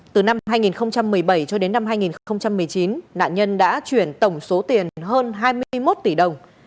từ năm hai nghìn một mươi bảy cho đến năm hai nghìn một mươi chín nạn nhân đã chuyển tổng số tiền hơn hai mươi một tỷ đồng